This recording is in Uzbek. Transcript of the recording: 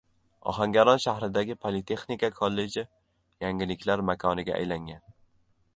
Ohangaron shahridagi Politexnika kolleji yangiliklar makoniga aylangan.